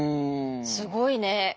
すごいね。